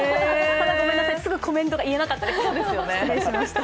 ごめんなさい、すぐにコメントが言えなかったです。